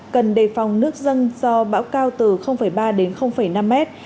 cần đề phòng nước dân do bão cao từ ba đến năm mét